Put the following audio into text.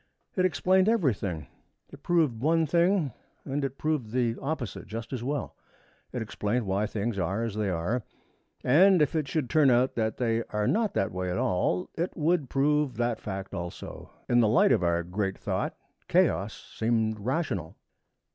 It explained everything. It proved one thing and it proved the opposite just as well. It explained why things are as they are, and if it should turn out that they are not that way at all, it would prove that fact also. In the light of our great thought chaos seemed rational.